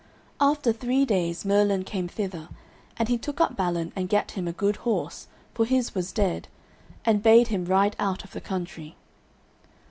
After three days Merlin came thither, and he took up Balin and gat him a good horse, for his was dead, and bade him ride out of the country.